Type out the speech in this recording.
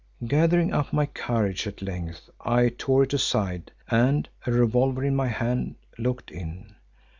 Gathering up my courage at length I tore it aside and, a revolver in my hand, looked in.